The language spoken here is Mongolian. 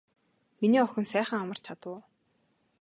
Миний охин сайхан амарч чадав уу.